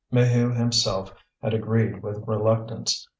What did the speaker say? Maheu himself had agreed with reluctance.